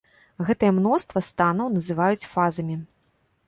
Гэтае мноства станаў называюць фазамі.